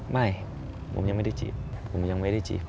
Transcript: ไม่ผมยังไม่ได้จีบผมยังไม่ได้จีบ